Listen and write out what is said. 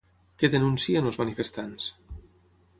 Què denuncien els manifestants?